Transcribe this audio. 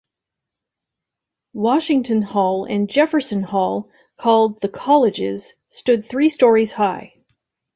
Washington Hall and Jefferson Hall, called the "colleges," stood three stories high.